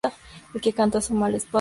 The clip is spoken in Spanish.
El que canta su mal espanta